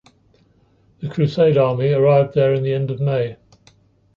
The crusade army arrived there in the end of May.